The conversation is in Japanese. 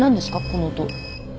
この音。